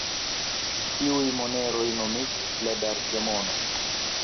Tiuj moneroj nomiĝis la darkemono.